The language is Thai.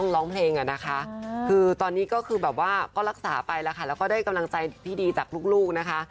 แล้วก็ได้กำลังใจที่ดีจากลูกนะคะ